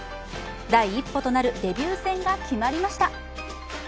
第一歩となるデビュー戦が決まりました。